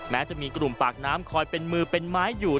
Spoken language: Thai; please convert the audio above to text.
แม้จะมีกลุ่มปากน้ำคอยเป็นมือเป็นไม้อยู่